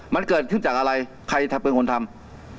มันเกิดขึ้นจากอะไรใครเป็นคนทำ